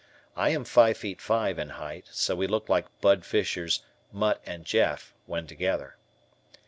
I am five feet five in height, so we looked like "Bud" Fisher's "Mutt and Jeff" when together.